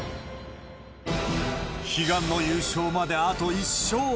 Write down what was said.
悲願の優勝まで、あと１勝。